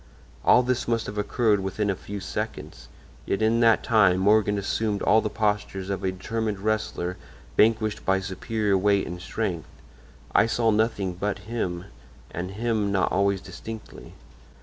"All this must have occurred within a few seconds, yet in that time Morgan assumed all the postures of a determined wrestler vanquished by superior weight and strength. I saw nothing but him, and him not always distinctly.